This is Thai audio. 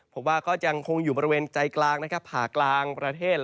พบว่าก็ยังคงอยู่บริเวณใจกลางนะครับผ่ากลางประเทศ